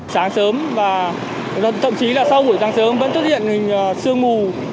sáng sớm và thậm chí là sau buổi sáng sớm vẫn xuất hiện hình sương mù